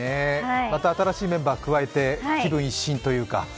また新しいメンバー加えて気分一新というか？